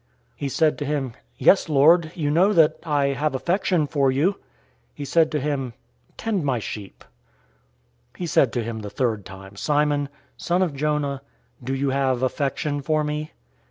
He said to him, "Yes, Lord; you know that I have affection for you." He said to him, "Tend my sheep." 021:017 He said to him the third time, "Simon, son of Jonah, do you have affection for me?"